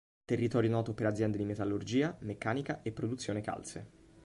Territorio noto per aziende di metallurgia, meccanica e produzione calze.